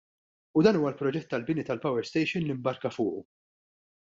U dan huwa l-proġett tal-bini tal-power station li mbarka fuqu.